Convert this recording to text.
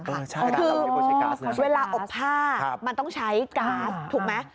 คือเวลาอบผ้ามันต้องใช้ก๊าซถูกไหม